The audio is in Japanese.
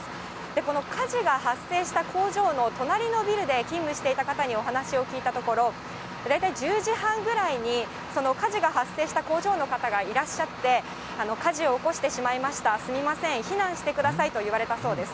この火事が発生した工場の隣のビルで勤務していた方にお話を聞いたところ、大体１０時半ぐらいにその火事が発生した工場の方がいらっしゃって、火事を起こしてしまいました、すみません、避難してくださいと言われたそうです。